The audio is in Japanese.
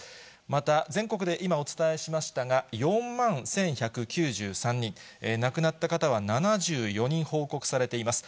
また全国で今、お伝えしましたが、４万１１９３人、亡くなった方は７４人報告されています。